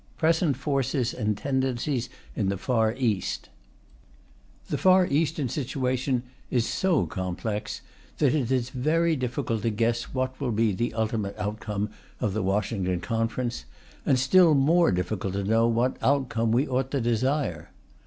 ] CHAPTER X PRESENT FORCES AND TENDENCIES IN THE FAR EAST The Far Eastern situation is so complex that it is very difficult to guess what will be the ultimate outcome of the Washington Conference, and still more difficult to know what outcome we ought to desire.